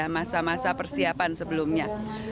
masa masa persiapan sebelumnya